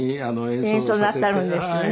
演奏なさるんですよね。